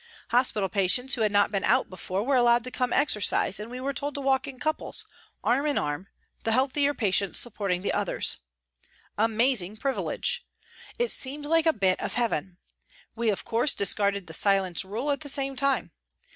Hospital patients who had not been out before were allowed to come to exercise and we were told to walk in couples, arm in arm, the healthier patients supporting the others. Amazing privilege ! It seemed like a bit of heaven. We, of course, discarded the " silence " rule at the same time.